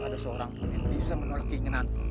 dan bisa menolak inginanku